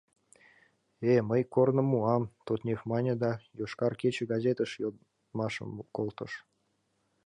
— Э-э, мый корным муам, — Тотнев мане да «Йошкар кече» газетыш йодмашым колтыш.